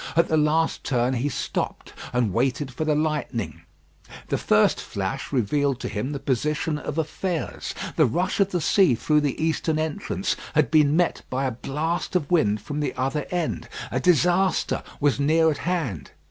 At the last turn he stopped and waited for the lightning. The first flash revealed to him the position of affairs. The rush of the sea through the eastern entrance had been met by a blast of wind from the other end. A disaster was near at hand.